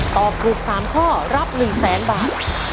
ตอบถูก๓ข้อรับ๑แสนบาท